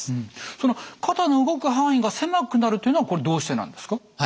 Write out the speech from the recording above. その肩の動く範囲が狭くなるというのはこれどうしてなんですか？